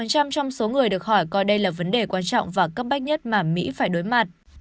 một trăm linh trong số người được hỏi coi đây là vấn đề quan trọng và cấp bách nhất mà mỹ phải đối mặt